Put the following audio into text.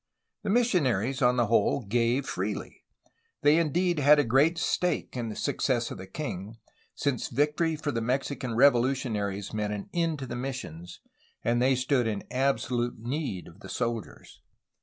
The missionaries, on the whole, gave freely. They indeed had a great stake in the success of the king, since victory for the Mexican revolutionaries meant an end to the missions, and they stood in absolute need of the soldiers.